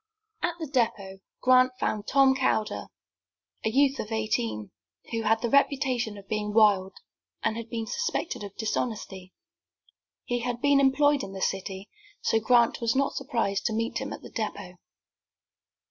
At the depot Grant found Tom Calder, a youth of eighteen, who had the reputation of being wild, and had been suspected of dishonesty. He had been employed in the city, so that Grant was not surprised to meet him at the depot.